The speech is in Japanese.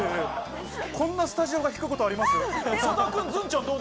こんなにスタジオが引くことあります？